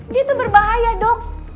dia tuh berbahaya dok